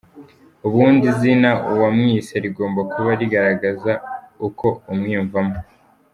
Ubundi izina wamwise rigomba kuba rigaragaza uko umwiyumvamo.